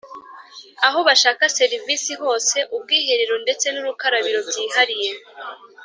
aho bashaka serivisi hose, ubwiherero ndetse n'urukarabiro byihariye.